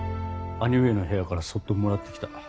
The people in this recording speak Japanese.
兄上の部屋からそっともらってきた。